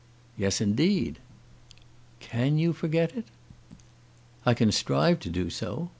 "Yes, indeed." "Can you forget it?" "I can strive to do so.